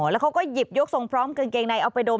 แล้วเขาก็หยิบยกทรงพร้อมกางเกงในเอาไปดม